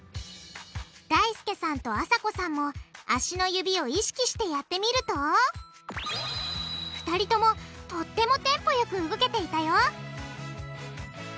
だいすけさんとあさこさんも足の指を意識してやってみると２人ともとってもテンポよく動けていたよ！